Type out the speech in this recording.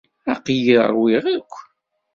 Aql-i rwiɣ akk.